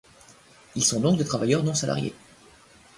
Ils sont donc des Travailleurs Non-Salariés.